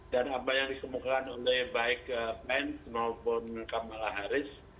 dan apa yang dikemukakan oleh baik pence maupun kamala harris